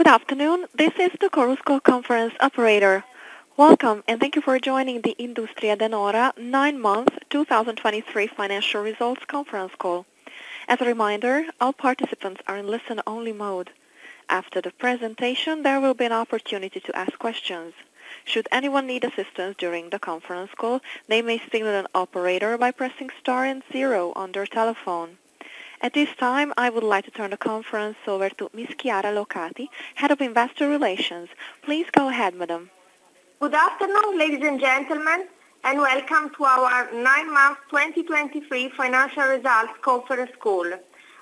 Good afternoon. This is the Chorus Call Conference Operator. Welcome, and thank you for joining the Industrie De Nora Nine-Month 2023 Financial Results Conference Call. As a reminder, all participants are in listen-only mode. After the presentation, there will be an opportunity to ask questions. Should anyone need assistance during the conference call, they may signal an operator by pressing star and zero on their telephone. At this time, I would like to turn the conference over to Ms. Chiara Locati, Head of Investor Relations. Please go ahead, madam. Good afternoon, ladies and gentlemen, and welcome to our nine-month 2023 financial results conference call.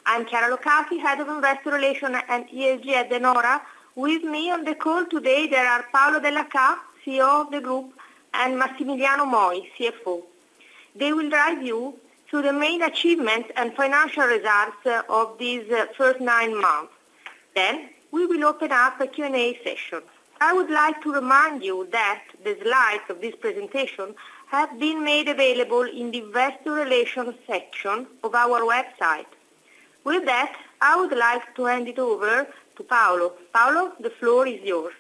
I'm Chiara Locati, Head of Investor Relations and ESG at De Nora. With me on the call today, there are Paolo Dellachà, CEO of the group, and Massimiliano Moi, CFO. They will guide you to the main achievements and financial results of these first nine months. Then, we will open up a Q&A session. I would like to remind you that the slides of this presentation have been made available in the Investor Relations section of our website. With that, I would like to hand it over to Paolo. Paolo, the floor is yours.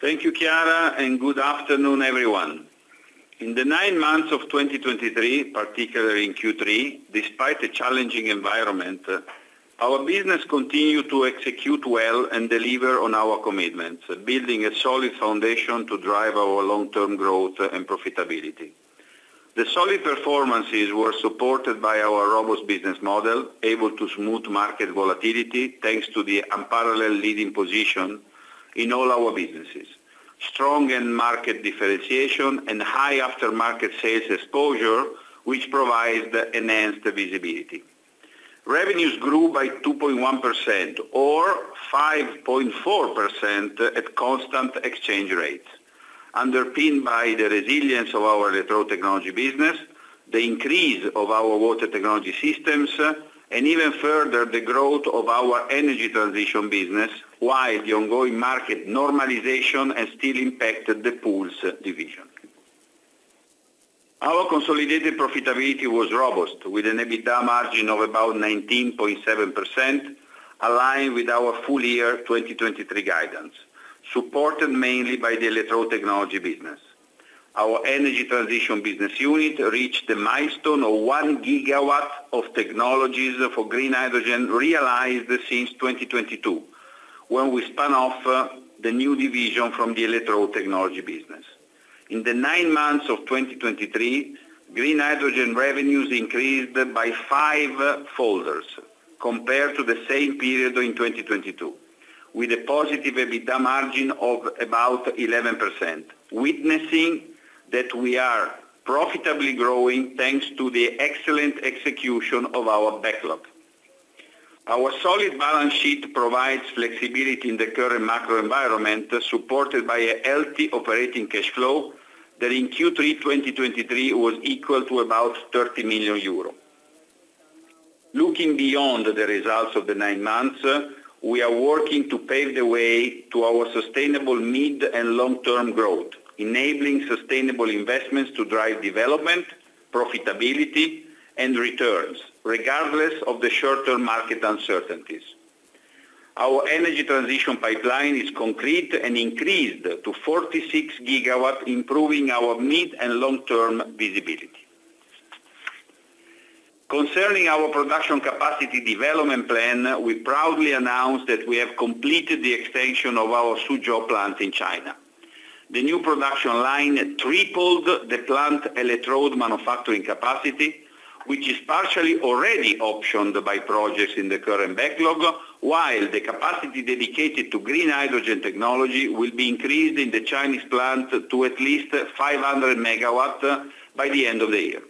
Thank you, Chiara, and good afternoon, everyone. In the nine months of 2023, particularly in Q3, despite a challenging environment, our business continued to execute well and deliver on our commitments, building a solid foundation to drive our long-term growth and profitability. The solid performances were supported by our robust business model, able to smooth market volatility, thanks to the unparalleled leading position in all our businesses. Strong end market differentiation and high aftermarket sales exposure, which provides enhanced visibility. Revenues grew by 2.1%, or 5.4% at constant exchange rates, underpinned by the resilience of our electrode technology business, the increase of our water technology systems, and even further, the growth of our energy transition business, while the ongoing market normalization has still impacted the pools division. Our consolidated profitability was robust, with an EBITDA margin of about 19.7%, aligned with our full year 2023 guidance, supported mainly by the electrode technology business. Our energy transition business unit reached the milestone of 1 GW of technologies for green hydrogen, realized since 2022, when we spun off the new division from the electrode technology business. In the nine months of 2023, green hydrogen revenues increased fivefold compared to the same period in 2022, with a positive EBITDA margin of about 11%, witnessing that we are profitably growing, thanks to the excellent execution of our backlog. Our solid balance sheet provides flexibility in the current macro environment, supported by a healthy operating cash flow that in Q3 2023 was equal to about 30 million euro. Looking beyond the results of the nine months, we are working to pave the way to our sustainable mid- and long-term growth, enabling sustainable investments to drive development, profitability, and returns, regardless of the short-term market uncertainties. Our energy transition pipeline is concrete and increased to 46 GW, improving our mid and long-term visibility. Concerning our production capacity development plan, we proudly announce that we have completed the extension of our Suzhou plant in China. The new production line tripled the plant electrode manufacturing capacity, which is partially already optioned by projects in the current backlog, while the capacity dedicated to green hydrogen technology will be increased in the Chinese plant to at least 500 MW by the end of the year.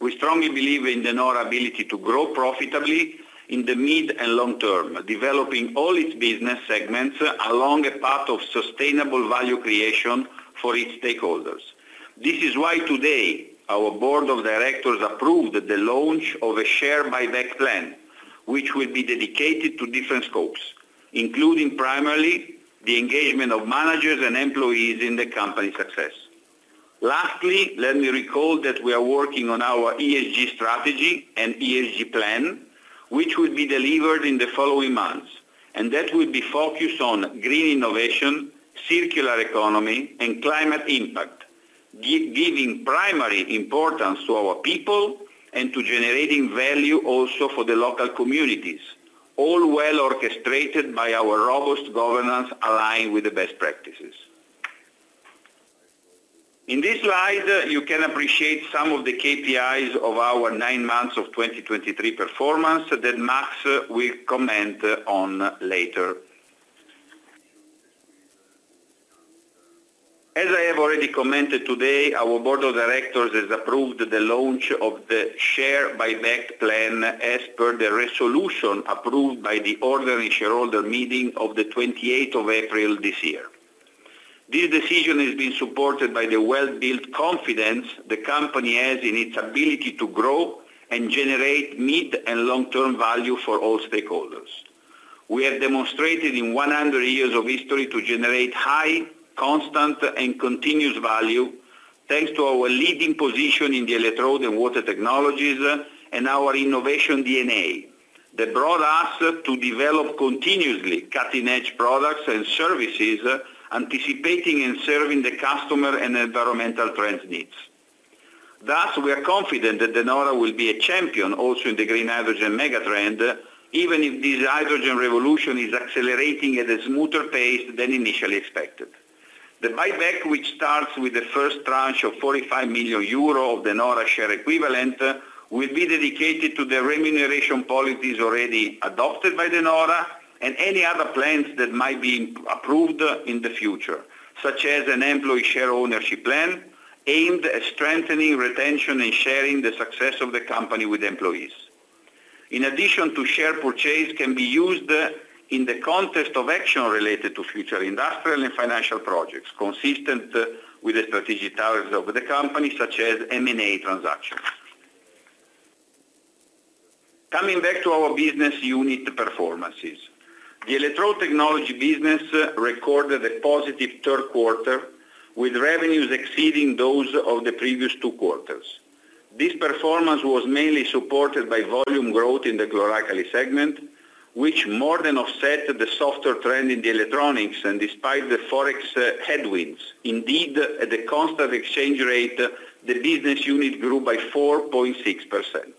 We strongly believe in De Nora ability to grow profitably in the mid and long term, developing all its business segments along a path of sustainable value creation for its stakeholders. This is why today, our board of directors approved the launch of a share buyback plan, which will be dedicated to different scopes, including primarily the engagement of managers and employees in the company's success. Lastly, let me recall that we are working on our ESG strategy and ESG plan, which will be delivered in the following months, and that will be focused on green innovation, circular economy, and climate impact, giving primary importance to our people and to generating value also for the local communities, all well orchestrated by our robust governance, aligned with the best practices. In this slide, you can appreciate some of the KPIs of our nine months of 2023 performance that Max will comment on later. As I have already commented today, our board of directors has approved the launch of the share buyback plan as per the resolution approved by the ordinary shareholder meeting of the 28th of April this year. This decision has been supported by the well-built confidence the company has in its ability to grow and generate mid and long-term value for all stakeholders. We have demonstrated in 100 years of history to generate high, constant, and continuous value. Thanks to our leading position in the electrode and water technologies, and our innovation D&A, that brought us to develop continuously cutting-edge products and services, anticipating and serving the customer and environmental trend needs. Thus, we are confident that De Nora will be a champion also in the green hydrogen megatrend, even if this hydrogen revolution is accelerating at a smoother pace than initially expected. The buyback, which starts with the first tranche of 45 million euro of De Nora share equivalent, will be dedicated to the remuneration policies already adopted by De Nora, and any other plans that might be approved in the future, such as an employee share ownership plan, aimed at strengthening retention and sharing the success of the company with employees. In addition to share purchase, can be used in the context of action related to future industrial and financial projects, consistent with the strategic targets of the company, such as M&A transactions. Coming back to our business unit performances. The electrode technology business recorded a positive third quarter, with revenues exceeding those of the previous two quarters. This performance was mainly supported by volume growth in the chlor-alkali segment, which more than offset the softer trend in the electronics and despite the Forex headwinds. Indeed, at the constant exchange rate, the business unit grew by 4.6%.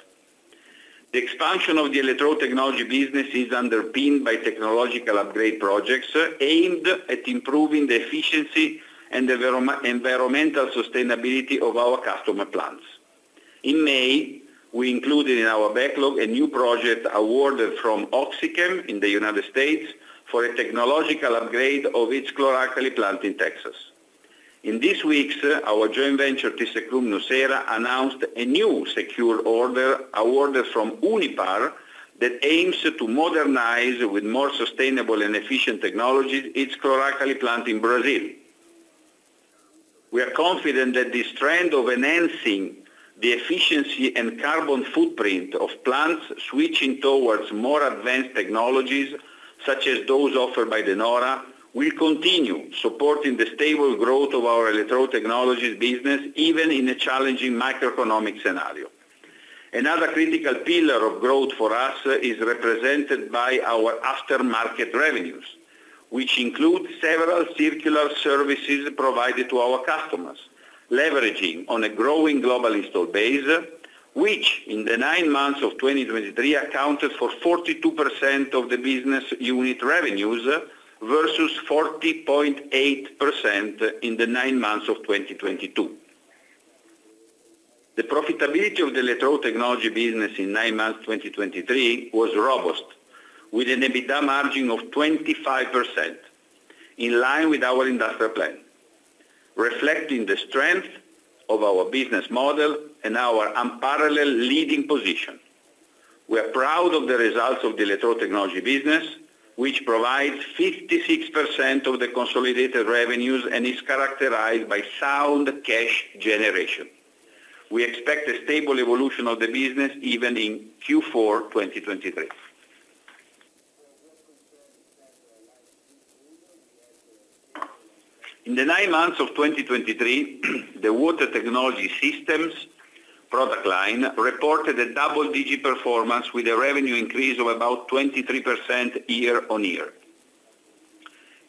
The expansion of the electrode technology business is underpinned by technological upgrade projects, aimed at improving the efficiency and environmental sustainability of our customer plants. In May, we included in our backlog a new project awarded from OxyChem in the United States, for a technological upgrade of its chlor-alkali plant in Texas. In this week, our joint venture, thyssenkrupp nucera, announced a new secured order, awarded from Unipar, that aims to modernize, with more sustainable and efficient technology, its chlor-alkali plant in Brazil. We are confident that this trend of enhancing the efficiency and carbon footprint of plants, switching towards more advanced technologies, such as those offered by De Nora, will continue supporting the stable growth of our electrode technologies business, even in a challenging macroeconomic scenario. Another critical pillar of growth for us is represented by our aftermarket revenues, which include several circular services provided to our customers, leveraging on a growing global install base, which in the nine months of 2023 accounted for 42% of the business unit revenues, versus 40.8% in the nine months of 2022. The profitability of the electrode technology business in nine months 2023 was robust, with an EBITDA margin of 25%, in line with our industrial plan, reflecting the strength of our business model and our unparalleled leading position. We are proud of the results of the electrode technology business, which provides 56% of the consolidated revenues, and is characterized by sound cash generation. We expect a stable evolution of the business, even in Q4 2023. In the nine months of 2023, the Water Technology Systems product line reported a double-digit performance, with a revenue increase of about 23% year-on-year.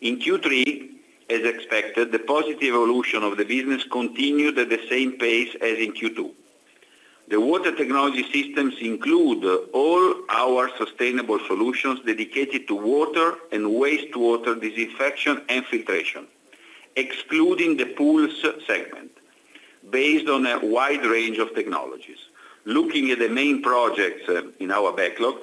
In Q3, as expected, the positive evolution of the business continued at the same pace as in Q2. The Water Technology Systems include all our sustainable solutions dedicated to water and wastewater disinfection and filtration, excluding the pools segment, based on a wide range of technologies. Looking at the main projects in our backlog,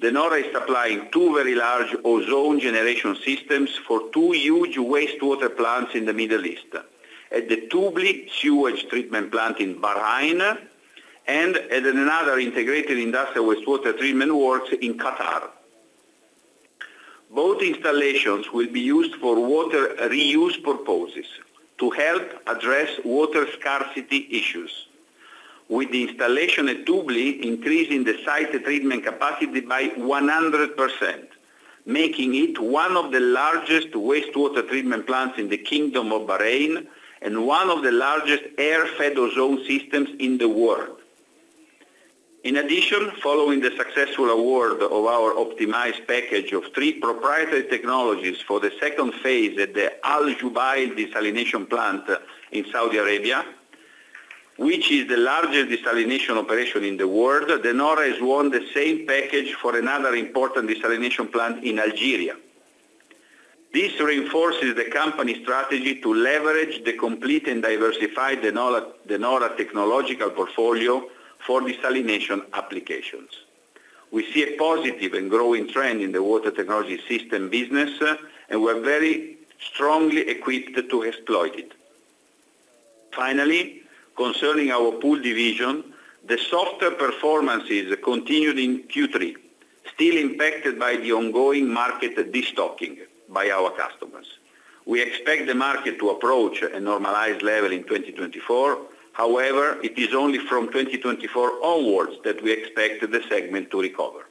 De Nora is supplying two very large ozone generation systems for two huge wastewater plants in the Middle East, at the Tubli Sewage Treatment Plant in Bahrain, and at another integrated industrial wastewater treatment works in Qatar. Both installations will be used for water reuse purposes, to help address water scarcity issues, with the installation at Tubli increasing the site treatment capacity by 100%, making it one of the largest wastewater treatment plants in the Kingdom of Bahrain, and one of the largest air-fed ozone systems in the world. In addition, following the successful award of our optimized package of three proprietary technologies for the second phase at the Al Jubail desalination plant in Saudi Arabia, which is the largest desalination operation in the world, De Nora has won the same package for another important desalination plant in Algeria. This reinforces the company's strategy to leverage the complete and diversified De Nora, De Nora technological portfolio for desalination applications. We see a positive and growing trend in the Water Technology system business, and we're very strongly equipped to exploit it. Finally, concerning our pool division, the softer performances continued in Q3, still impacted by the ongoing market destocking by our customers. We expect the market to approach a normalized level in 2024. However, it is only from 2024 onwards, that we expect the segment to recover.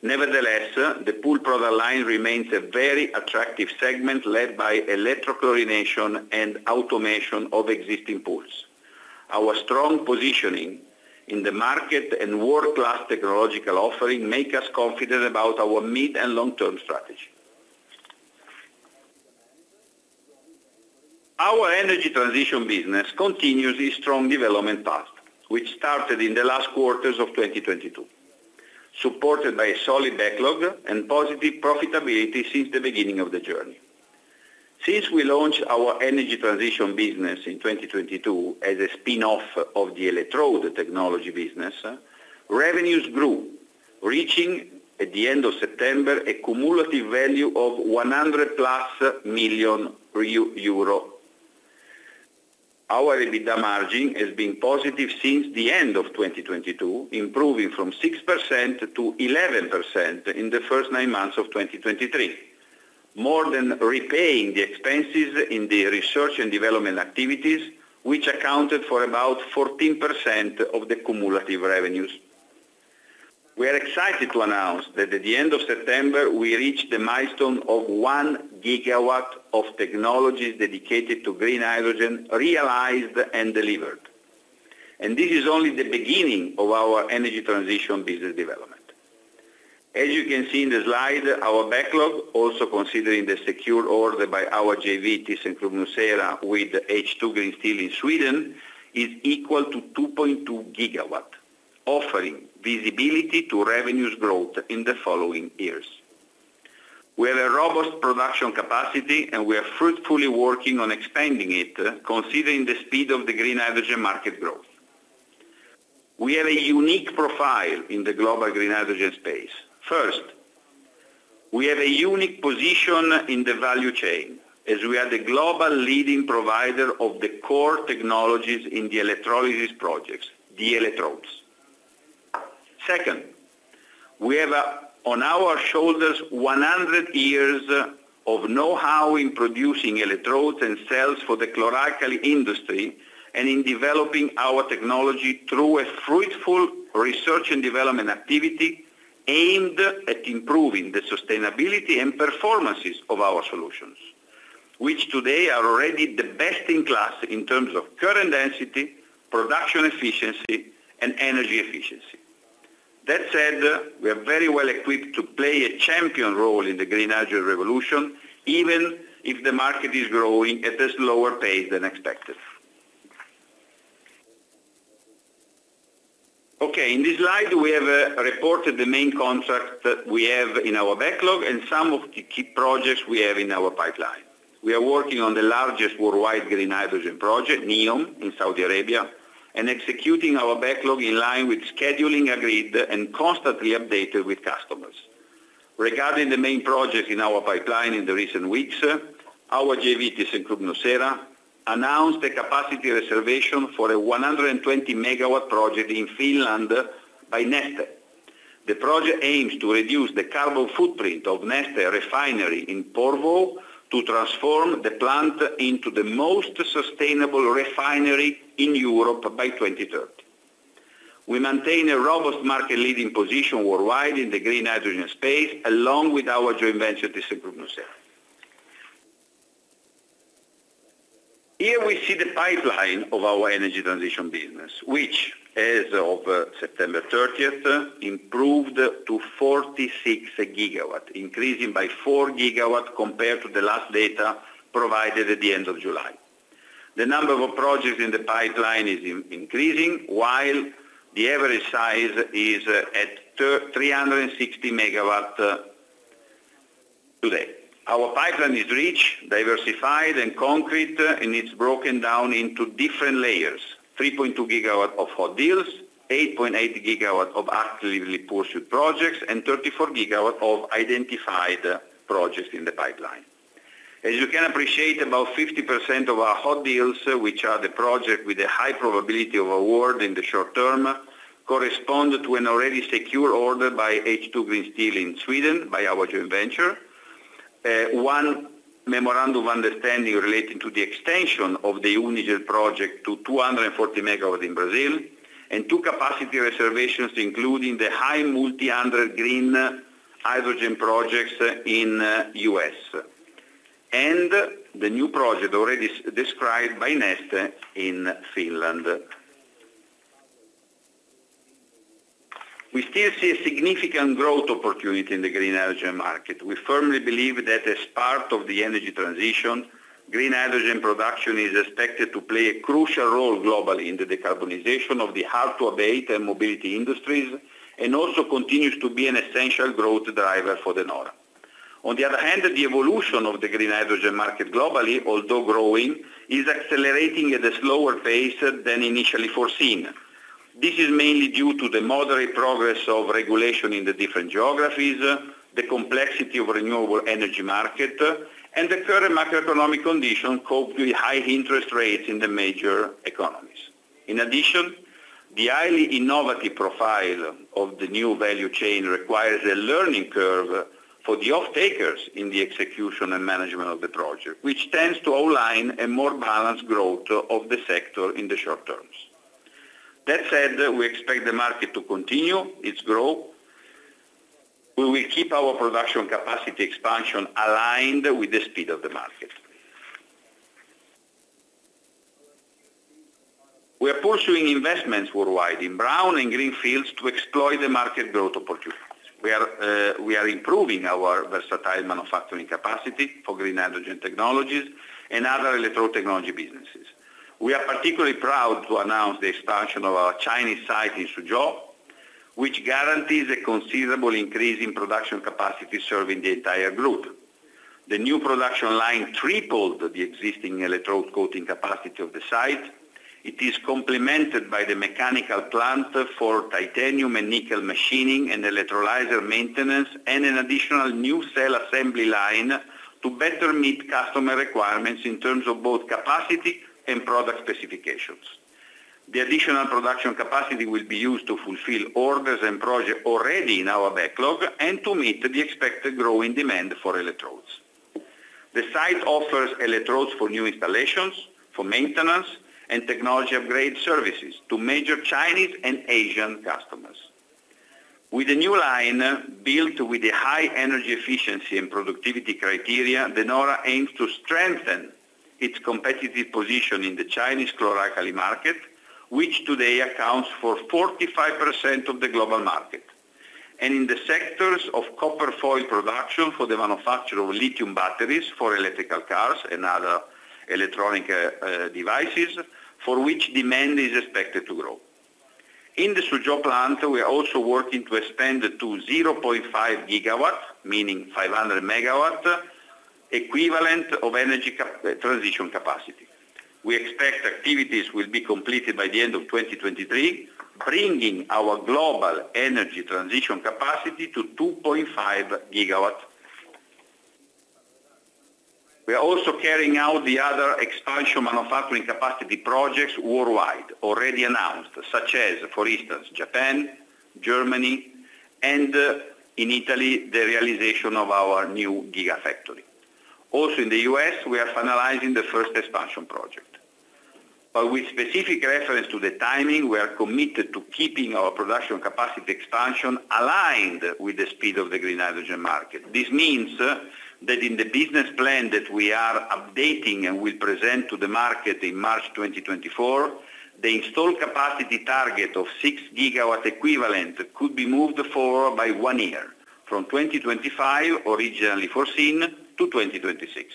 Nevertheless, the pool product line remains a very attractive segment, led by electrochlorination and automation of existing pools. Our strong positioning in the market and world-class technological offering make us confident about our mid and long-term strategy. Our energy transition business continues a strong development path, which started in the last quarters of 2022, supported by a solid backlog and positive profitability since the beginning of the journey. Since we launched our energy transition business in 2022 as a spin-off of the electrode technology business, revenues grew, reaching, at the end of September, a cumulative value of 100+ million euro. Our EBITDA margin has been positive since the end of 2022, improving from 6%-11% in the first nine months of 2023, more than repaying the expenses in the research and development activities, which accounted for about 14% of the cumulative revenues. We are excited to announce that at the end of September, we reached the milestone of 1 GW of technologies dedicated to green hydrogen, realized and delivered. This is only the beginning of our energy transition business development. As you can see in the slide, our backlog, also considering the secure order by our JV, thyssenkrupp nucera, with H2 Green Steel in Sweden, is equal to 2.2 GW, offering visibility to revenues growth in the following years. We have a robust production capacity, and we are fruitfully working on expanding it, considering the speed of the green hydrogen market growth. We have a unique profile in the global green hydrogen space. First, we have a unique position in the value chain, as we are the global leading provider of the core technologies in the electrolysis projects, the electrodes. Second, we have on our shoulders 100 years of know-how in producing electrodes and cells for the chlor-alkali industry, and in developing our technology through a fruitful research and development activity aimed at improving the sustainability and performances of our solutions, which today are already the best-in-class in terms of current density, production efficiency, and energy efficiency. That said, we are very well equipped to play a champion role in the green hydrogen revolution, even if the market is growing at a slower pace than expected. Okay, in this slide, we have reported the main contracts that we have in our backlog and some of the key projects we have in our pipeline. We are working on the largest worldwide green hydrogen project, NEOM, in Saudi Arabia, and executing our backlog in line with scheduling agreed and constantly updated with customers. Regarding the main projects in our pipeline in the recent weeks, our JV, thyssenkrupp nucera, announced a capacity reservation for a 120 MW project in Finland by Neste. The project aims to reduce the carbon footprint of Neste Refinery in Porvoo to transform the plant into the most sustainable refinery in Europe by 2030. We maintain a robust market leading position worldwide in the green hydrogen space, along with our joint venture, thyssenkrupp nucera. Here, we see the pipeline of our energy transition business, which, as of September 30th, improved to 46 GW, increasing by 4 GW compared to the last data provided at the end of July. The number of projects in the pipeline is increasing, while the average size is at 360 MW today. Our pipeline is rich, diversified, and concrete, and it's broken down into different layers: 3.2 GW of hot deals, 8.8 GW of actively pursued projects, and 34 GW of identified projects in the pipeline. As you can appreciate, about 50% of our hot deals, which are the project with a high probability of award in the short term, correspond to an already secure order by H2 Green Steel in Sweden, by our joint venture. One Memorandum of Understanding relating to the extension of the Unigel project to 240 MW in Brazil, and two capacity reservations, including the high multi-hundred green hydrogen projects in U.S., and the new project already described by Neste in Finland. We still see a significant growth opportunity in the green hydrogen market. We firmly believe that as part of the energy transition, green hydrogen production is expected to play a crucial role globally in the decarbonization of the hard-to-abate and mobility industries, and also continues to be an essential growth driver for De Nora. On the other hand, the evolution of the green hydrogen market globally, although growing, is accelerating at a slower pace than initially foreseen. This is mainly due to the moderate progress of regulation in the different geographies, the complexity of renewable energy market, and the current macroeconomic condition, coupled with high interest rates in the major economies. In addition, the highly innovative profile of the new value chain requires a learning curve for the off-takers in the execution and management of the project, which tends to outline a more balanced growth of the sector in the short term. That said, we expect the market to continue its growth. We will keep our production capacity expansion aligned with the speed of the market. We are pursuing investments worldwide in brown and green fields to exploit the market growth opportunities. We are, we are improving our versatile manufacturing capacity for green hydrogen technologies and other electrode technology businesses. We are particularly proud to announce the expansion of our Chinese site in Suzhou, which guarantees a considerable increase in production capacity serving the entire group. The new production line tripled the existing electrode coating capacity of the site. It is complemented by the mechanical plant for titanium and nickel machining, and electrolyzer maintenance, and an additional new cell assembly line to better meet customer requirements in terms of both capacity and product specifications. The additional production capacity will be used to fulfill orders and projects already in our backlog, and to meet the expected growing demand for electrodes. The site offers electrodes for new installations, for maintenance, and technology upgrade services to major Chinese and Asian customers. With the new line, built with a high energy efficiency and productivity criteria, De Nora aims to strengthen its competitive position in the Chinese chlor-alkali market, which today accounts for 45% of the global market. In the sectors of copper foil production for the manufacture of lithium batteries, for electrical cars and other electronic devices, for which demand is expected to grow. In the Suzhou plant, we are also working to expand to 0.5 GW, meaning 500 MW, equivalent of energy transition capacity. We expect activities will be completed by the end of 2023, bringing our global energy transition capacity to 2.5 GW. We are also carrying out the other expansion manufacturing capacity projects worldwide, already announced, such as, for instance, Japan, Germany, and in Italy, the realization of our new gigafactory. Also, in the U.S., we are finalizing the first expansion project. But with specific reference to the timing, we are committed to keeping our production capacity expansion aligned with the speed of the green hydrogen market. This means that in the business plan that we are updating and will present to the market in March 2024, the installed capacity target of 6 GW equivalent could be moved forward by one year, from 2025, originally foreseen, to 2026.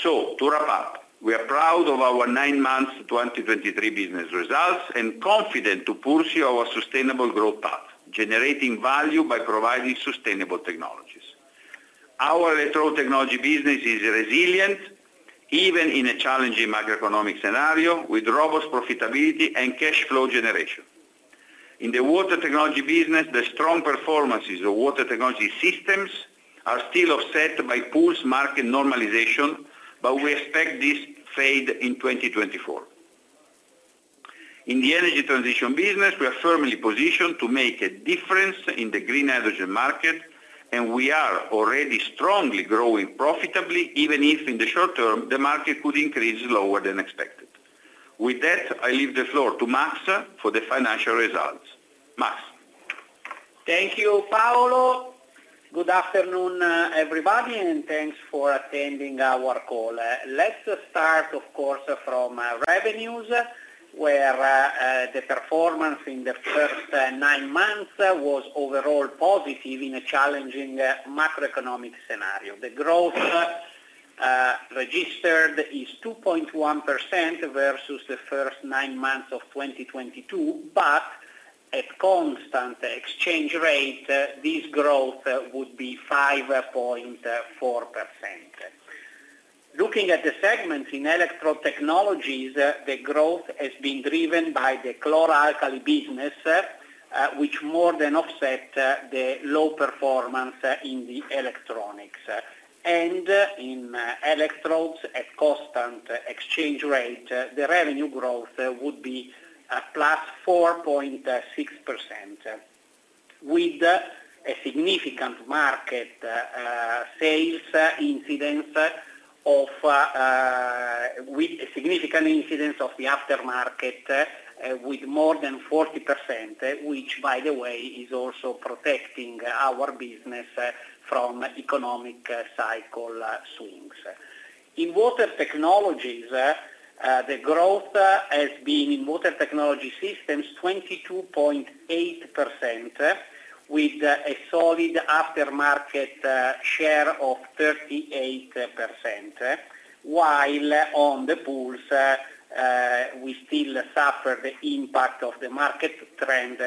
So to wrap up, we are proud of our nine months 2023 business results, and confident to pursue our sustainable growth path, generating value by providing sustainable technologies. Our electrode technology business is resilient, even in a challenging macroeconomic scenario, with robust profitability and cash flow generation. In the water technology business, the strong performances of water technology systems are still offset by pools market normalization, but we expect this fade in 2024. In the energy transition business, we are firmly positioned to make a difference in the green hydrogen market, and we are already strongly growing profitably, even if in the short term, the market could increase lower than expected. With that, I leave the floor to Max, for the financial results. Max? Thank you, Paolo. Good afternoon, everybody, and thanks for attending our call. Let's start, of course, from revenues, where the performance in the first nine months was overall positive in a challenging macroeconomic scenario. The growth registered is 2.1% versus the first nine months of 2022, but at constant exchange rate, this growth would be 5.4%. Looking at the segments in electrode technologies, the growth has been driven by the chlor-alkali business, which more than offset the low performance in the electronics. And in electrodes, at constant exchange rate, the revenue growth would be +4.6%, with a significant market sales incidence of. With a significant incidence of the aftermarket, with more than 40%, which, by the way, is also protecting our business from economic cycle swings. In water technologies, the growth has been in water technology systems 22.8%, with a solid aftermarket share of 38%, while on the pools, we still suffer the impact of the market trend,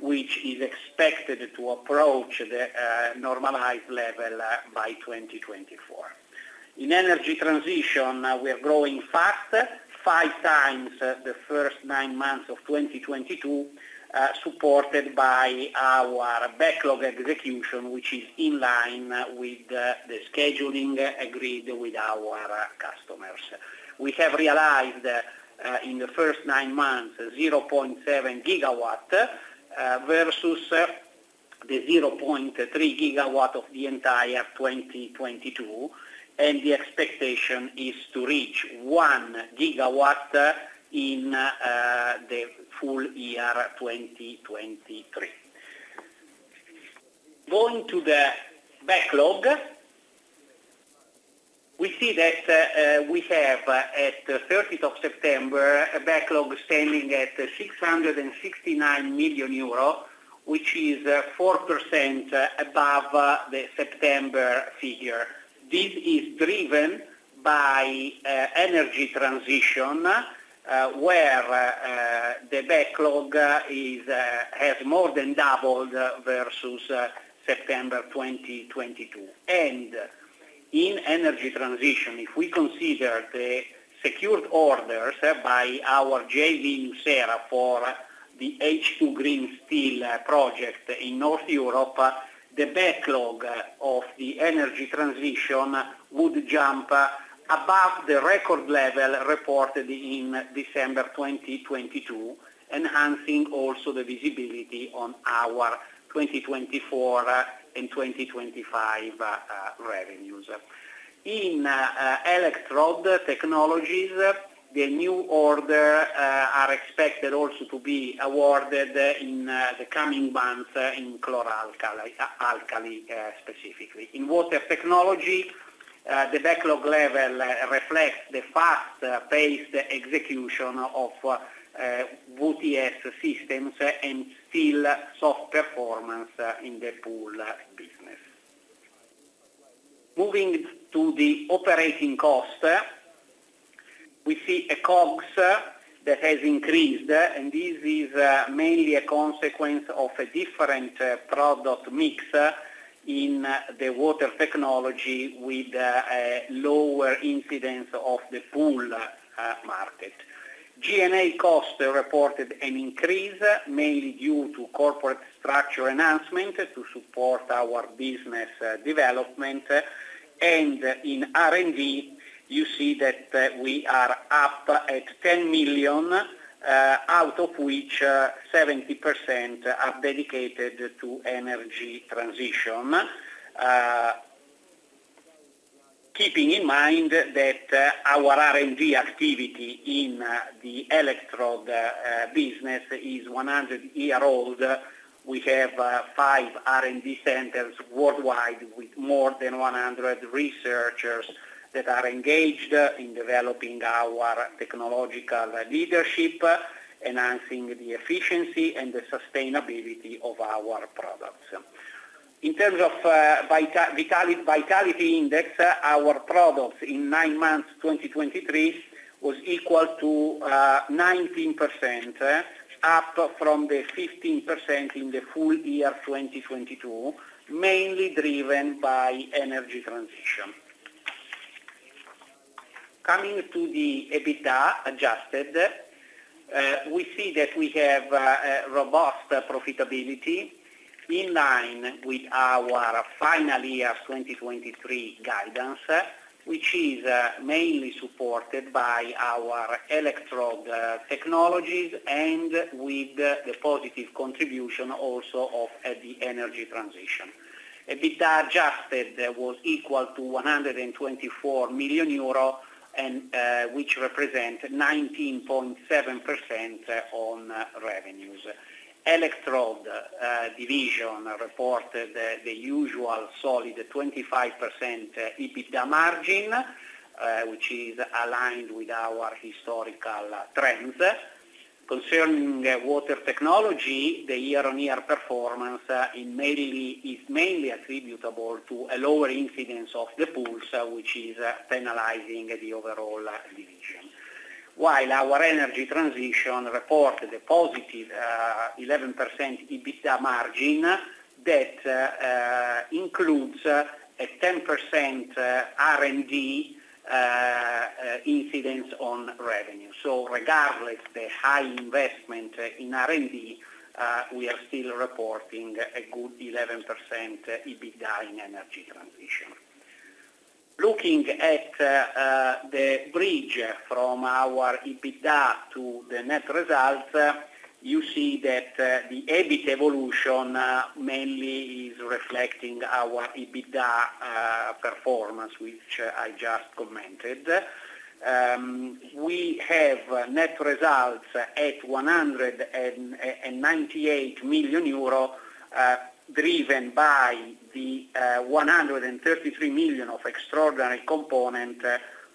which is expected to approach the normalized level by 2024. In energy transition, we are growing faster, five times the first nine months of 2022, supported by our backlog execution, which is in line with the scheduling agreed with our customers. We have realized in the first nine months 0.7 GW versus. The 0.3 GW of the entire 2022, and the expectation is to reach 1 GW in the full year 2023. Going to the backlog, we see that we have, at the 30th of September, a backlog standing at 669 million euro, which is 4% above the September figure. This is driven by energy transition, where the backlog has more than doubled versus September 2022. And in energy transition, if we consider the secured orders by our JV nucera for the H2 Green Steel project in North Europe, the backlog of the energy transition would jump above the record level reported in December 2022, enhancing also the visibility on our 2024 and 2025 revenues. In electrode technologies, the new order are expected also to be awarded in the coming months in chlor-alkali, alkali specifically. In water technology, the backlog level reflects the fast-paced execution of WTS systems and still soft performance in the pool business. Moving to the operating cost, we see a COGS that has increased, and this is mainly a consequence of a different product mix in the water technology, with lower incidence of the pool market. G&A costs reported an increase, mainly due to corporate structure enhancement to support our business development. In R&D, you see that we are up at 10 million out of which 70% are dedicated to energy transition. Keeping in mind that our R&D activity in the electrode business is 100-year-old, we have 5 R&D centers worldwide, with more than 100 researchers that are engaged in developing our technological leadership, enhancing the efficiency and the sustainability of our products. In terms of Vitality Index, our products in nine months, 2023, was equal to 19%, up from the 15% in the full year 2022, mainly driven by energy transition. Coming to the EBITDA adjusted, we see that we have a robust profitability in line with our full year 2023 guidance, which is mainly supported by our electrode technologies and with the positive contribution also of the energy transition. EBITDA adjusted was equal to 124 million euro, and which represent 19.7% on revenues. Electrode division reported the usual solid 25% EBITDA margin, which is aligned with our historical trends. Concerning water technology, the year-on-year performance is mainly attributable to a lower incidence of the pools, which is penalizing the overall division. While our energy transition reported a positive 11% EBITDA margin, that includes a 10% R&D incidence on revenue. So regardless the high investment in R&D, we are still reporting a good 11% EBITDA in energy transition. Looking at the bridge from our EBITDA to the net results, you see that the EBIT evolution mainly is reflecting our EBITDA performance, which I just commented. We have net results at 198 million euro, driven by the 133 million of extraordinary component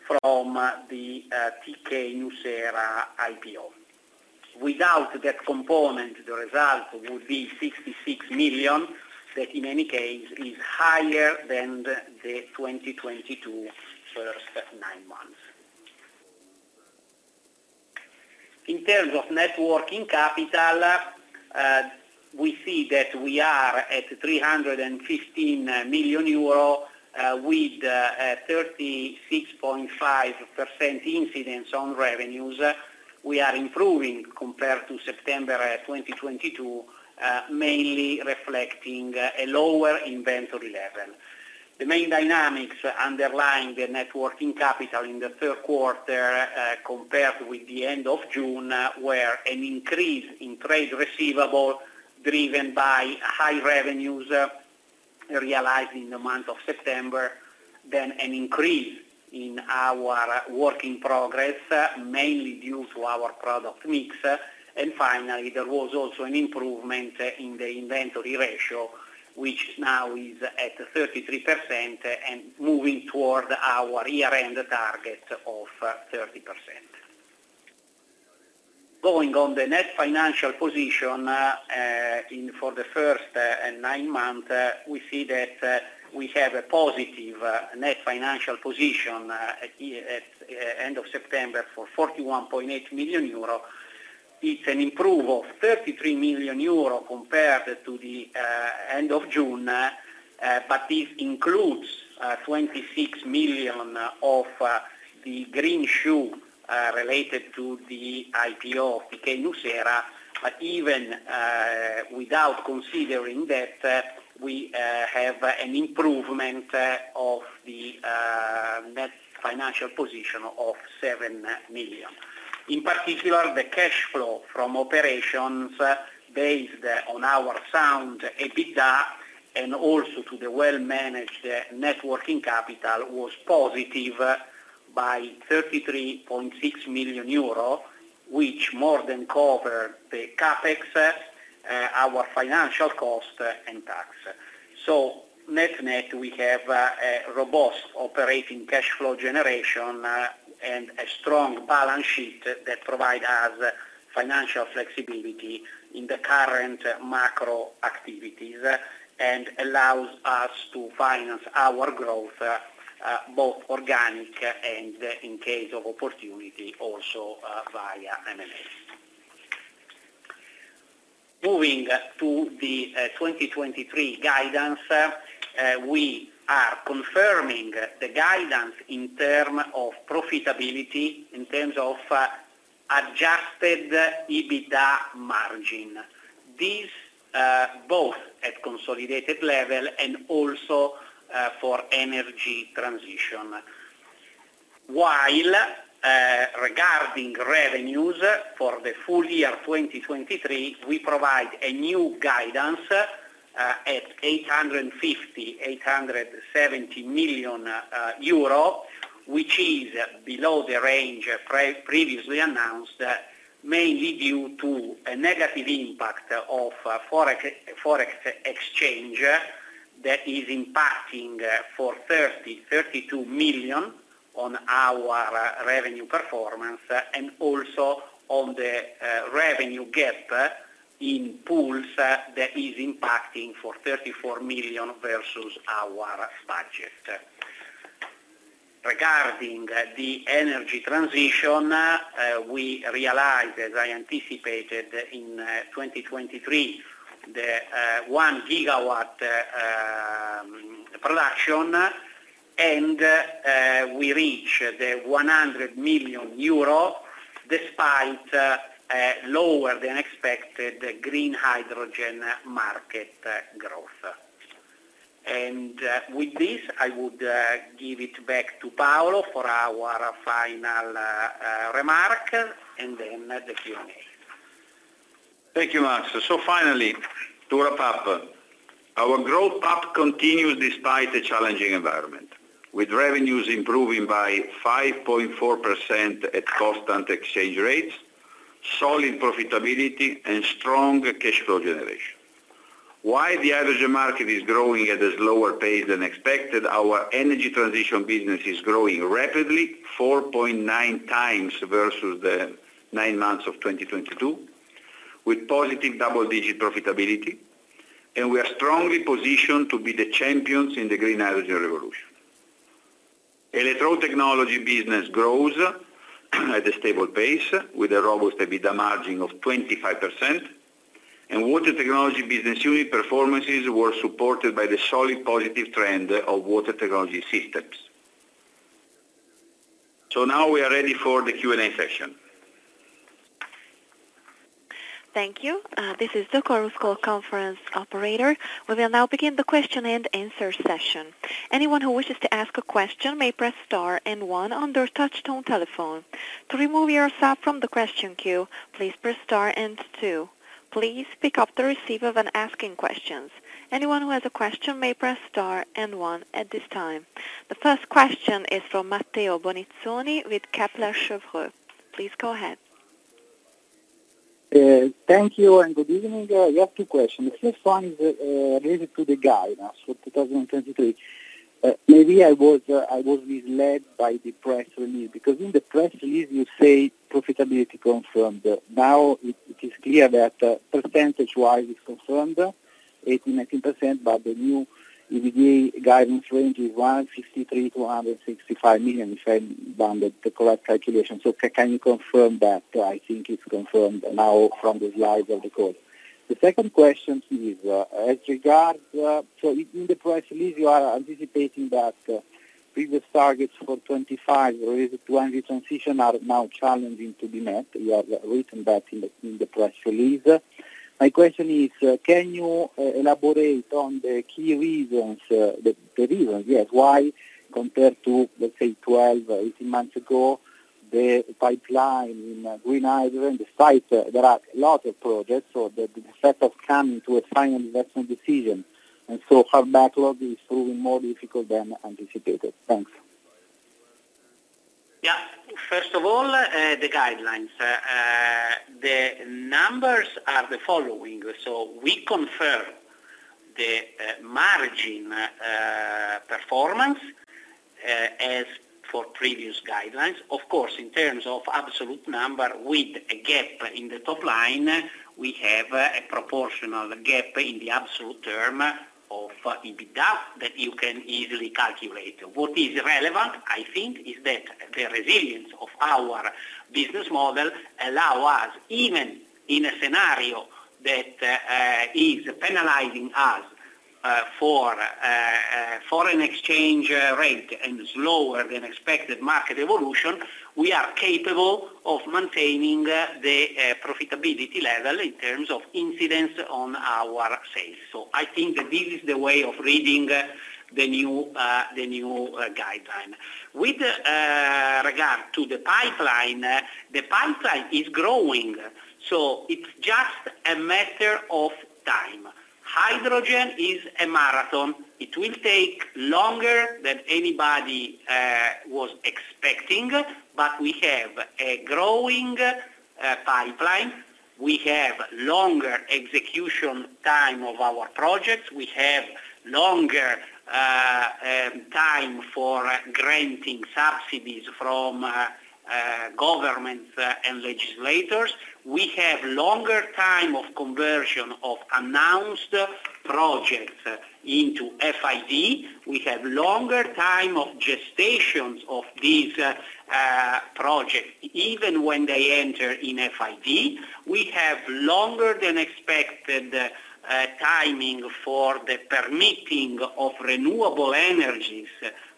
from the tk nucera IPO. Without that component, the result would be 66 million, that in any case, is higher than the 2022 first nine months. In terms of net working capital, we see that we are at 315 million euro, with 36.5% incidence on revenues. We are improving compared to September 2022, mainly reflecting a lower inventory level. The main dynamics underlying the net working capital in the third quarter, compared with the end of June, were an increase in trade receivable, driven by high revenues realized in the month of September, then an increase in our working progress, mainly due to our product mix. And finally, there was also an improvement in the inventory ratio, which now is at 33% and moving toward our year-end target of 30%. Going on the net financial position, in for the first nine months, we see that we have a positive net financial position at the end of September for 41.8 million euro. It's an improvement of 33 million euro compared to the end of June, but this includes 26 million of the greenshoe related to the IPO of thyssenkrupp nucera. But even without considering that, we have an improvement of the net financial position of 7 million. In particular, the cash flow from operations, based on our sound EBITDA, and also to the well-managed net working capital, was positive by 33.6 million euro, which more than covered the CapEx, our financial cost, and tax. So net-net, we have a robust operating cash flow generation, and a strong balance sheet that provide us financial flexibility in the current macro activities, and allows us to finance our growth, both organic and in case of opportunity, also, via M&A. Moving to the 2023 guidance, we are confirming the guidance in terms of profitability, in terms of adjusted EBITDA margin. These both at consolidated level and also for energy transition. While, regarding revenues for the full year 2023, we provide a new guidance, at 850 million-870 million euro, which is below the range previously announced, mainly due to a negative impact of, Forex exchange, that is impacting, for 32 million on our revenue performance, and also on the, revenue gap in pools that is impacting for 34 million versus our budget. Regarding the energy transition, we realized, as I anticipated, in 2023, the, 1 GW production, and, we reach the 100 million euro, despite, lower than expected green hydrogen market growth. And, with this, I would, give it back to Paolo for our final, remark, and then the Q&A. Thank you, Max. So finally, to wrap up, our growth path continues despite the challenging environment, with revenues improving by 5.4% at constant exchange rates, solid profitability, and strong cash flow generation. While the average market is growing at a slower pace than expected, our energy transition business is growing rapidly, 4.9 times versus the nine months of 2022, with positive double-digit profitability, and we are strongly positioned to be the champions in the green hydrogen revolution. Electrode technology business grows at a stable pace, with a robust EBITDA margin of 25%, and water technology business unit performances were supported by the solid positive trend of water technology systems. Now we are ready for the Q&A session. Thank you. This is the conference call operator. We will now begin the question and answer session. Anyone who wishes to ask a question may press star and one on their touchtone telephone. To remove yourself from the question queue, please press star and two. Please pick up the receiver when asking questions. Anyone who has a question may press star and one at this time. The first question is from Matteo Bonizzoni with Kepler Cheuvreux. Please go ahead. Thank you, and good evening. We have two questions. The first one is related to the guidance for 2023. Maybe I was misled by the press release, because in the press release, you say profitability confirmed. Now, it is clear that percentage-wise is confirmed, 18-19%, but the new EBITDA guidance range is 153 million-165 million, if I done the correct calculation. So can you confirm that? I think it's confirmed now from the slides of the call. The second question is, as regard. So in the press release, you are anticipating that previous targets for 2025 related to energy transition are now challenging to be met. You have written that in the press release. My question is, can you elaborate on the key reasons, the reasons, yes, why compared to, let's say, 12 or 18 months ago, the pipeline in green hydrogen, despite there are a lot of projects, so the effect of coming to a final investment decision, and so our backlog is proving more difficult than anticipated. Thanks. Yeah. First of all, the guidelines. The numbers are the following: so we confirm the margin performance as for previous guidelines. Of course, in terms of absolute number, with a gap in the top line, we have a proportional gap in the absolute term of EBITDA that you can easily calculate. What is relevant, I think, is that the resilience of our business model allow us, even in a scenario that is penalizing us for foreign exchange rate and slower than expected market evolution, we are capable of maintaining the profitability level in terms of incidence on our sales. So I think that this is the way of reading the new guideline. With regard to the pipeline, the pipeline is growing, so it's just a matter of time. Hydrogen is a marathon. It will take longer than anybody was expecting, but we have a growing pipeline. We have longer execution time of our projects. We have longer time for granting subsidies from governments and legislators. We have longer time of conversion of announced projects into FID. We have longer time of gestations of these projects, even when they enter in FID. We have longer than expected timing for the permitting of renewable energies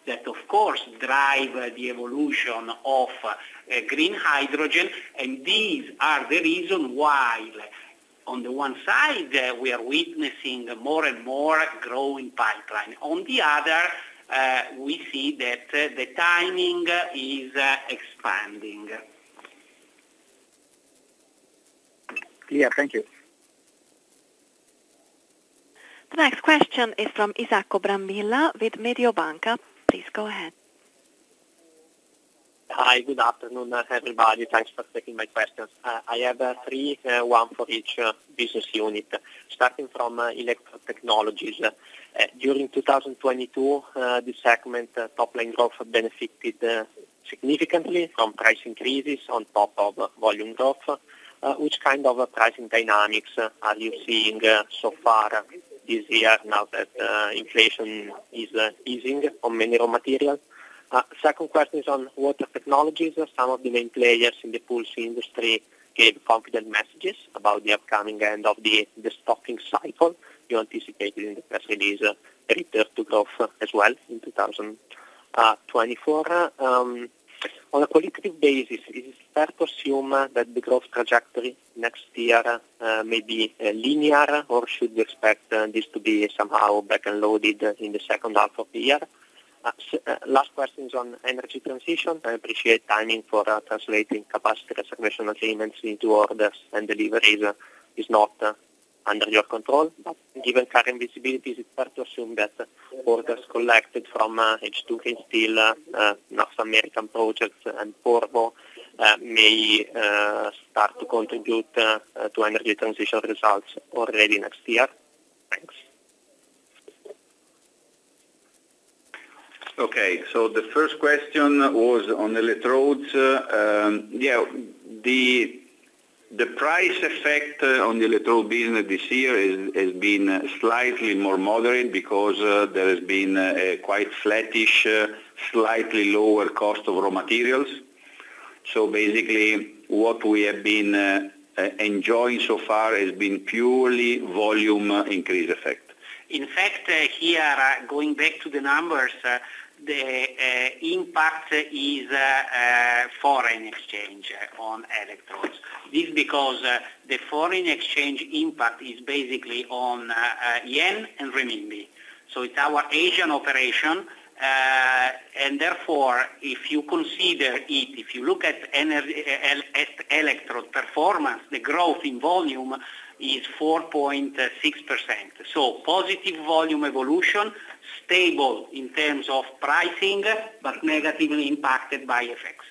that of course drive the evolution of green hydrogen. And these are the reason why, on the one side, we are witnessing more and more growing pipeline. On the other, we see that the timing is expanding. Yeah. Thank you. The next question is from Isacco Brambilla with Mediobanca. Please go ahead. Hi. Good afternoon, everybody. Thanks for taking my questions. I have three, one for each business unit. Starting from Electrotechnologies. During 2022, the segment top line growth benefited significantly from price increases on top of volume growth. Which kind of pricing dynamics are you seeing so far this year now that inflation is easing on many raw materials? Second question is on Water Technologies. Some of the main players in the pools industry gave confident messages about the upcoming end of the stocking cycle. You anticipated in the press release a return to growth as well in 2024. On a qualitative basis, is it fair to assume that the growth trajectory next year may be linear, or should we expect this to be somehow back-ended loaded in the second half of the year? Last question is on energy transition. I appreciate timing for translating capacity reservation achievements into orders and deliveries is not under your control. But given current visibilities, it's fair to assume that orders collected from H2 Green Steel, North American projects and Porvoo may start to contribute to energy transition results already next year. Thanks. Okay. So the first question was on electrodes. Yeah, the price effect on the electrode business this year is, has been slightly more moderate because there has been a quite flattish, slightly lower cost of raw materials. So basically, what we have been enjoying so far has been purely volume increase effect. In fact, here, going back to the numbers, the impact is foreign exchange on electrodes. This is because, the foreign exchange impact is basically on yen and renminbi. So it's our Asian operation, and therefore, if you consider it, if you look at electrode performance, the growth in volume is 4.6%. So positive volume evolution, stable in terms of pricing, but negatively impacted by effects.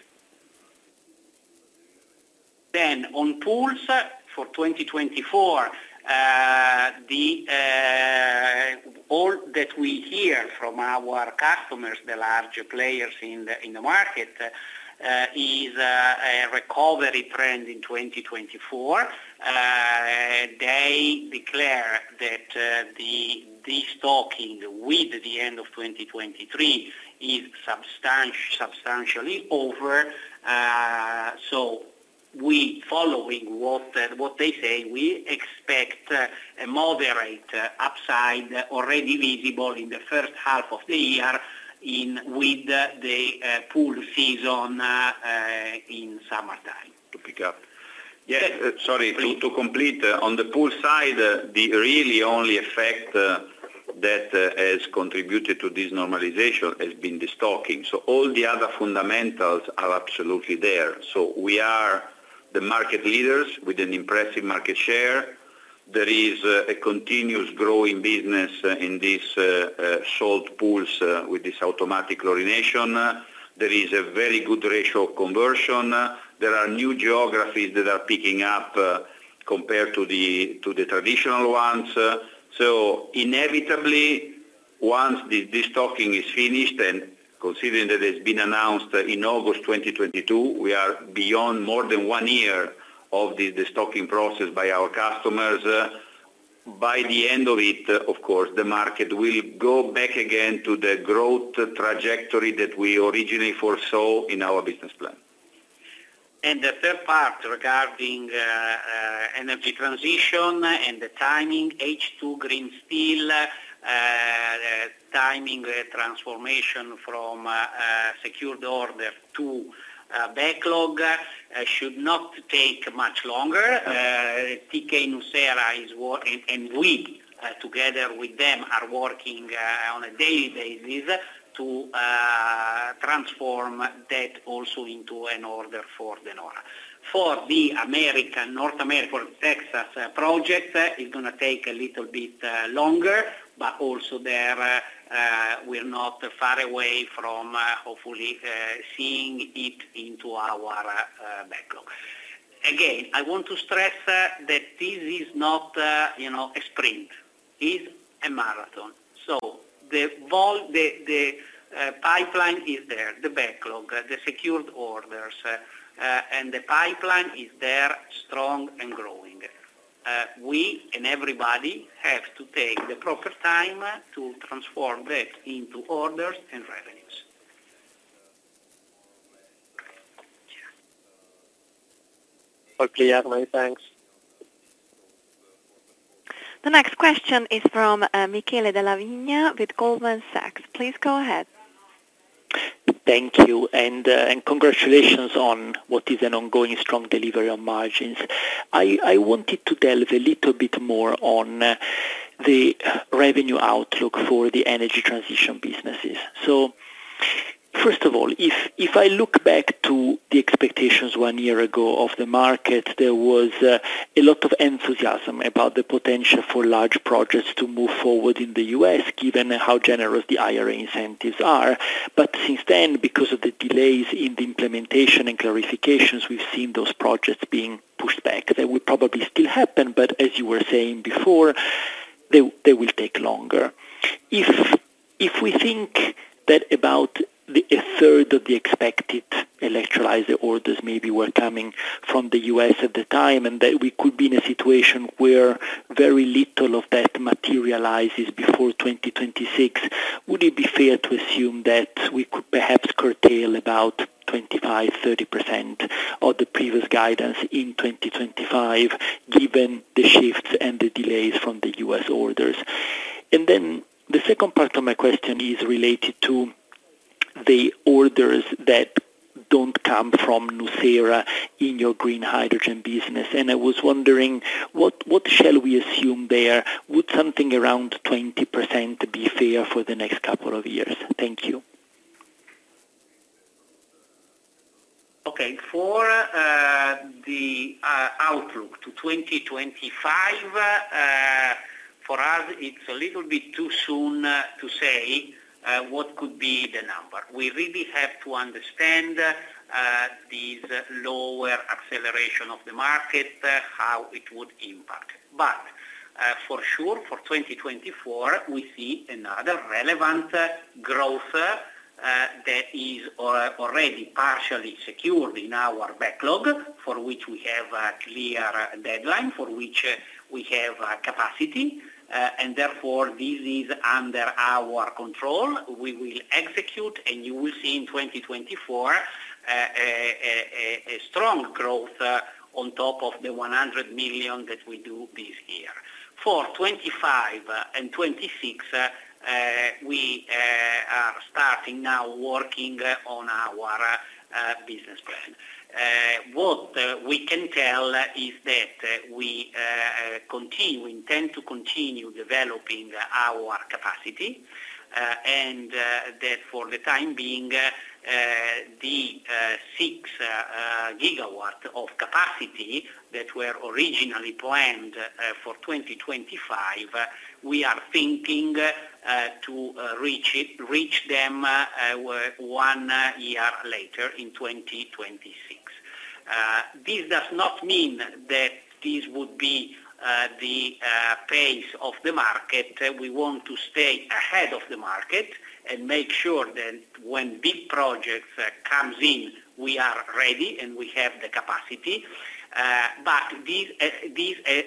Then on pools for 2024, the, all that we hear from our customers, the larger players in the market, is a recovery trend in 2024. They declare that, the destocking with the end of 2023 is substantially over. So, following what they say, we expect a moderate upside already visible in the first half of the year with the pool season in summertime. Pick up. Yeah, sorry, to complete on the pool side, the really only effect that has contributed to this normalization has been destocking. So all the other fundamentals are absolutely there. So we are the market leaders with an impressive market share. There is a continuous growing business in this salt pools with this automatic chlorination. There is a very good ratio of conversion. There are new geographies that are picking up compared to the traditional ones. So inevitably, once the destocking is finished, and considering that it's been announced in August 2022, we are beyond more than one year of the destocking process by our customers. By the end of it, of course, the market will go back again to the growth trajectory that we originally foresaw in our business plan. And the third part, regarding energy transition and the timing, H2 Green Steel timing transformation from secured order to backlog should not take much longer. thyssenkrupp nucera and we, together with them, are working on a daily basis to transform that also into an order for De Nora. For the American, North American, Texas project, it's going to take a little bit longer, but also there, we're not far away from hopefully seeing it into our backlog. Again, I want to stress that this is not, you know, a sprint, it's a marathon. So the pipeline is there, the backlog, the secured orders and the pipeline is there, strong and growing. We and everybody have to take the proper time to transform that into orders and revenues. All clear, many thanks. The next question is from Michele Della Vigna with Goldman Sachs. Please go ahead. Thank you, and, and congratulations on what is an ongoing strong delivery on margins. I, I wanted to delve a little bit more on, the, revenue outlook for the energy transition businesses. So first of all, if, if I look back to the expectations one year ago of the market, there was, a lot of enthusiasm about the potential for large projects to move forward in the U.S., given how generous the IRA incentives are. But since then, because of the delays in the implementation and clarifications, we've seen those projects being pushed back. They will probably still happen, but as you were saying before, they, they will take longer. If we think that about a third of the expected electrolyzer orders maybe were coming from the U.S. at the time, and that we could be in a situation where very little of that materializes before 2026, would it be fair to assume that we could perhaps curtail about 25-30% of the previous guidance in 2025, given the shifts and the delays from the U.S. orders? Then the second part of my question is related to the orders that don't come from nucera in your green hydrogen business, and I was wondering, what shall we assume there? Would something around 20% be fair for the next couple of years? Thank you. Okay. For the outlook to 2025, for us, it's a little bit too soon to say what could be the number. We really have to understand this lower acceleration of the market how it would impact. But, for sure, for 2024, we see another relevant growth that is already partially secured in our backlog, for which we have a clear deadline, for which we have capacity, and therefore, this is under our control. We will execute, and you will see in 2024 a strong growth on top of the 100 million that we do this year. For 25 and 26, we are starting now working on our business plan. What we can tell is that we intend to continue developing our capacity, and that for the time being, the 6 GW of capacity that were originally planned for 2025, we are thinking to reach them one year later, in 2026. This does not mean that this would be the pace of the market. We want to stay ahead of the market and make sure that when big projects comes in, we are ready and we have the capacity. But this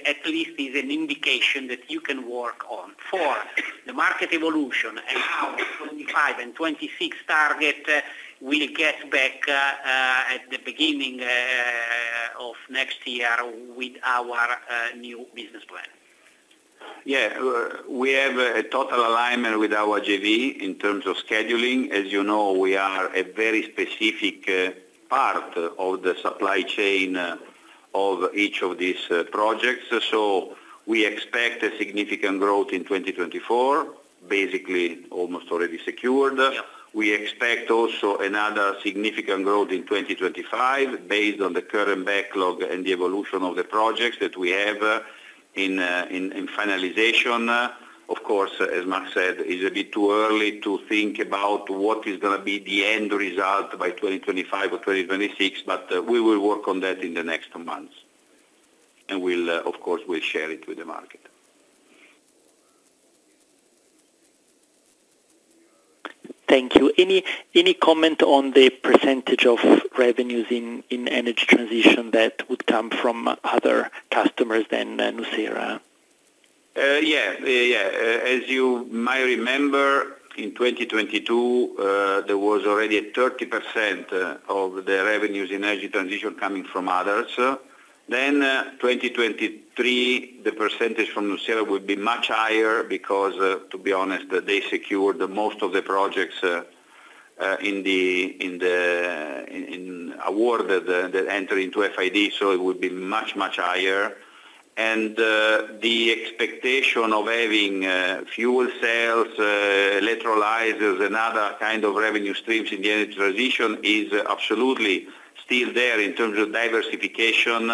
at least is an indication that you can work on. For the market evolution and how 2025 and 2026 target, we'll get back at the beginning of next year with our new business plan. Yeah, we have a total alignment with our JV in terms of scheduling. As you know, we are a very specific part of the supply chain of each of these projects. So we expect a significant growth in 2024, basically, almost already secured. Yeah. We expect also another significant growth in 2025, based on the current backlog and the evolution of the projects that we have in finalization. Of course, as Max said, it's a bit too early to think about what is going to be the end result by 2025 or 2026, but we will work on that in the next months, and we'll of course we'll share it with the market. Thank you. Any comment on the percentage of revenues in energy transition that would come from other customers than nucera? Yeah. Yeah, yeah. As you might remember, in 2022, there was already a 30% of the revenues in energy transition coming from others. Then, 2023, the percentage from nucera would be much higher because, to be honest, they secured the most of the projects in the awards that enter into FID, so it would be much, much higher. And, the expectation of having fuel cells, electrolyzers, and other kind of revenue streams in the energy transition is absolutely still there in terms of diversification,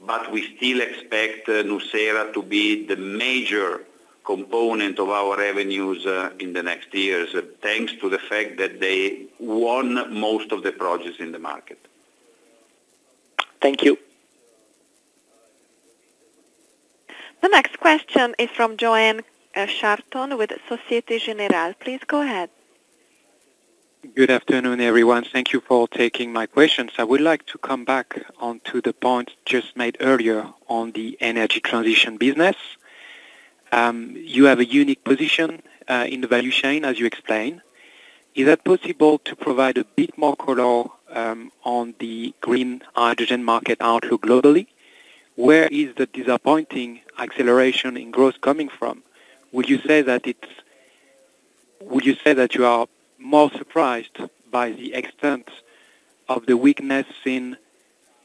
but we still expect nucera to be the major component of our revenues in the next years, thanks to the fact that they won most of the projects in the market. Thank you. The next question is from Yoann Charenton with Société Générale. Please go ahead. Good afternoon, everyone. Thank you for taking my questions. I would like to come back onto the point just made earlier on the energy transition business. You have a unique position in the value chain, as you explained. Is it possible to provide a bit more color on the green hydrogen market outlook globally? Where is the disappointing acceleration in growth coming from? Would you say that you are more surprised by the extent of the weakness in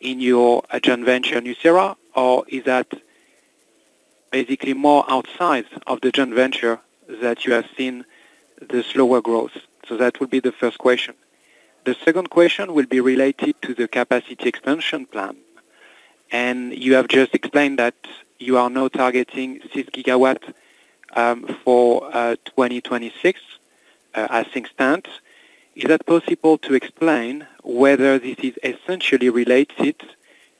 your joint venture, nucera, or is that basically more outside of the joint venture that you have seen the slower growth? So that would be the first question. The second question will be related to the capacity expansion plan. You have just explained that you are now targeting six gigawatts for 2026, as things stand. Is it possible to explain whether this is essentially related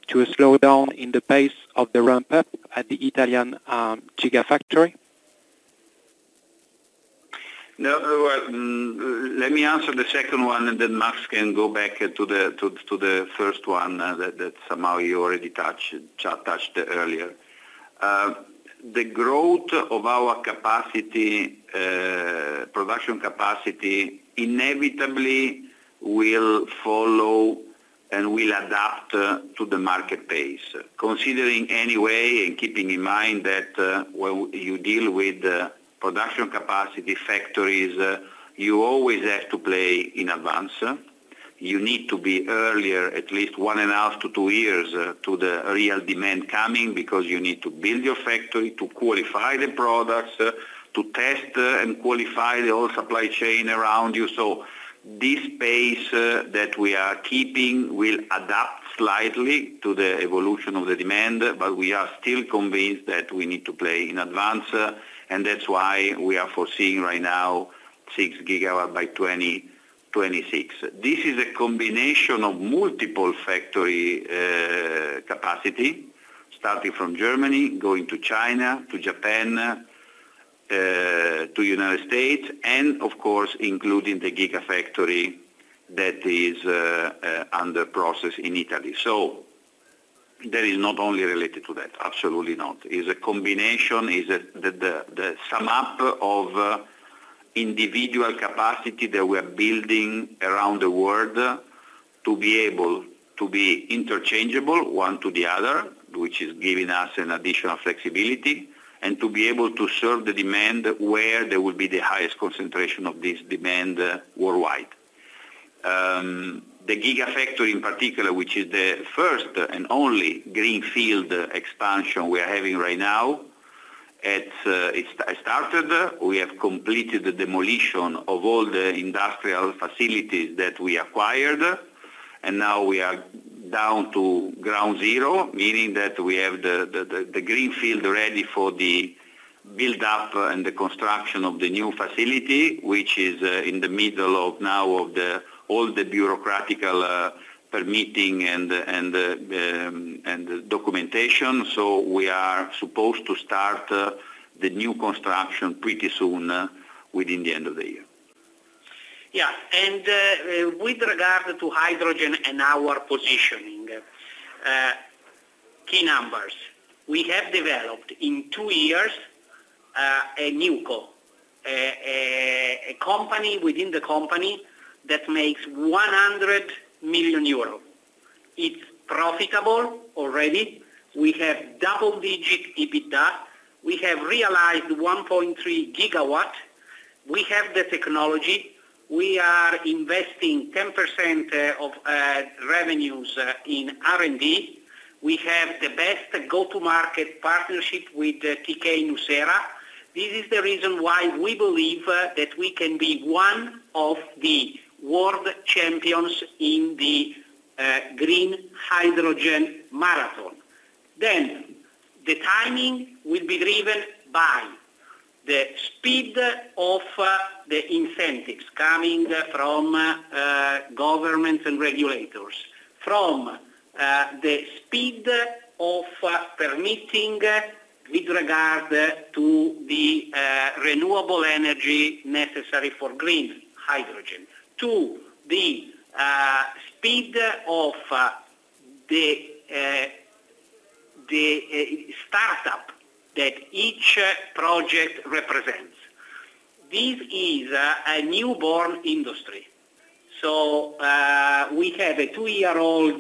to a slowdown in the pace of the ramp-up at the Italian gigafactory? No, let me answer the second one, and then Marc can go back to the first one, that somehow you already touched earlier. The growth of our capacity, production capacity, inevitably will follow and will adapt to the market pace. Considering anyway and keeping in mind that, when you deal with the production capacity factories, you always have to play in advance. You need to be earlier, at least 1.5-2 years, to the real demand coming, because you need to build your factory, to qualify the products, to test, and qualify the whole supply chain around you. So this pace that we are keeping will adapt slightly to the evolution of the demand, but we are still convinced that we need to play in advance, and that's why we are foreseeing right now 6 GW by 2026. This is a combination of multiple factory capacity, starting from Germany, going to China, to Japan, to United States, and of course, including the Gigafactory that is under process in Italy. So that is not only related to that, absolutely not. It's a combination, is the sum up of individual capacity that we are building around the world to be able to be interchangeable, one to the other, which is giving us an additional flexibility, and to be able to serve the demand where there will be the highest concentration of this demand worldwide. The gigafactory, in particular, which is the first and only greenfield expansion we are having right now, it's started. We have completed the demolition of all the industrial facilities that we acquired, and now we are down to ground zero, meaning that we have the greenfield ready for the build-up and the construction of the new facility, which is in the middle now of all the bureaucratic permitting and the documentation. So we are supposed to start the new construction pretty soon, within the end of the year. Yeah. And with regard to hydrogen and our positioning, key numbers. We have developed, in two years, a new company within the company that makes 100 million euros. It's profitable already. We have double-digit EBITDA. We have realized 1.3 gigawatt. We have the technology. We are investing 10%, of, revenues, in R&D. We have the best go-to-market partnership with tk nucera. This is the reason why we believe, that we can be one of the world champions in the, green hydrogen marathon. Then, the timing will be driven by the speed of, the incentives coming from, governments and regulators, from, the speed of, permitting with regard to the, renewable energy necessary for green hydrogen, to the, speed of, the, startup that each project represents. This is a, newborn industry, so, we have a two-year-old,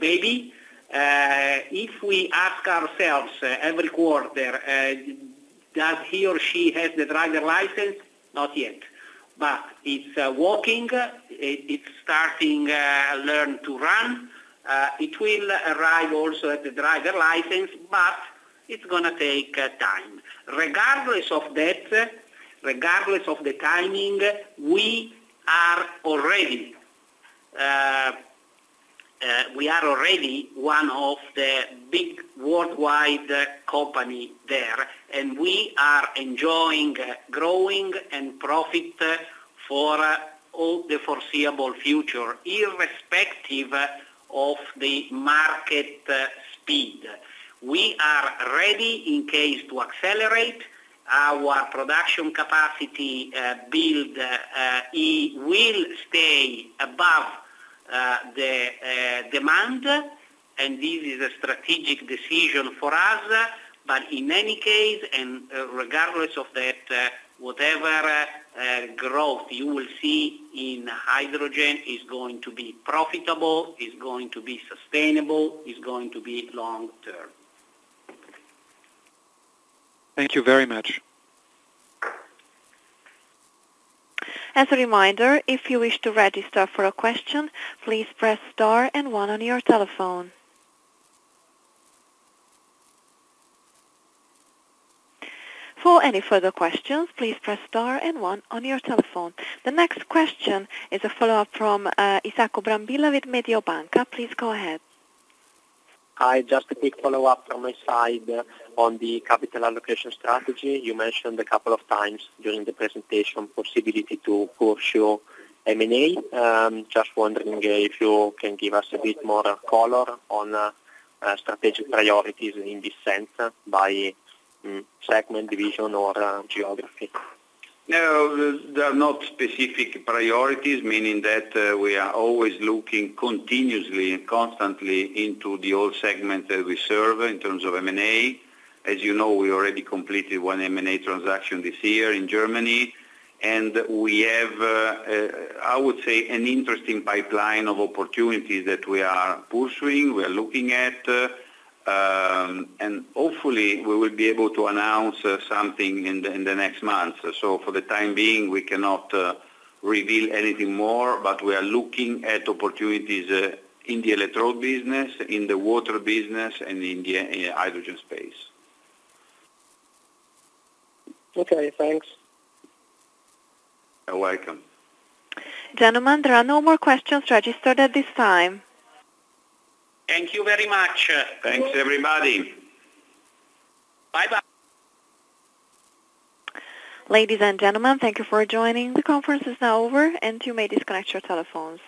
baby. If we ask ourselves every quarter, does he or she has the driver license? Not yet, but it's walking, it's starting to learn to run. It will arrive also at the driver's license, but it's gonna take time. Regardless of that, regardless of the timing, we are already, we are already one of the big worldwide company there, and we are enjoying growing and profit for all the foreseeable future, irrespective of the market speed. We are ready in case to accelerate our production capacity build. It will stay above the demand, and this is a strategic decision for us. But in any case, and regardless of that, whatever growth you will see in hydrogen is going to be profitable, is going to be sustainable, is going to be long term. Thank you very much. As a reminder, if you wish to register for a question, please press Star and One on your telephone. For any further questions, please press Star and One on your telephone. The next question is a follow-up from Isacco Brambilla with Mediobanca. Please, go ahead. Hi, just a quick follow-up from my side on the capital allocation strategy. You mentioned a couple of times during the presentation, possibility to pursue M&A. Just wondering if you can give us a bit more color on strategic priorities in this sense, by segment, division, or geography? No, there are not specific priorities, meaning that, we are always looking continuously and constantly into the old segment that we serve in terms of M&A. As you know, we already completed one M&A transaction this year in Germany, and we have, I would say, an interesting pipeline of opportunities that we are pursuing, we are looking at, and hopefully, we will be able to announce something in the, in the next months. So for the time being, we cannot reveal anything more, but we are looking at opportunities in the electrode business, in the water business, and in the hydrogen space. Okay, thanks. You're welcome. Gentlemen, there are no more questions registered at this time. Thank you very much. Thanks, everybody. Bye-bye. Ladies and gentlemen, thank you for joining. The conference is now over, and you may disconnect your telephones.